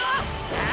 ああ！